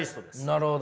なるほど。